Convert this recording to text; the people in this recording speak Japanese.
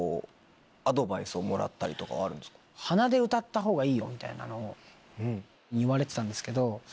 ほうがいいよみたいなのを言われてたんですけど。